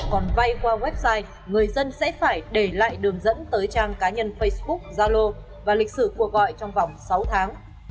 còn vay qua website người dân sẽ phải để lại đường dẫn tới trang cá nhân facebook zalo và lịch sử cuộc gọi trong vòng sáu tháng